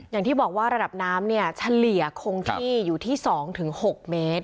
อย่างที่บอกว่าระดับน้ำเนี่ยเฉลี่ยคงที่อยู่ที่๒๖เมตร